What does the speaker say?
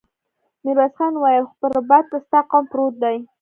ميرويس خان وويل: خو په رباط کې ستا قوم پروت دی.